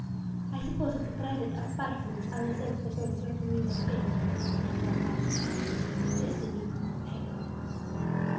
"I suppose that the private apartments are reserved for those who have the means of paying for them," said Alcala. "This, señor, I have not."